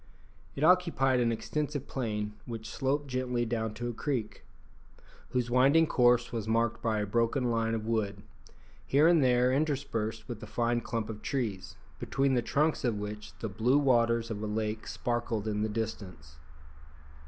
It occupied an extensive plain which sloped gently down to a creek[*], whose winding course was marked by a broken line of wood, here and there interspersed with a fine clump of trees, between the trunks of which the blue waters of a lake sparkled in the distance.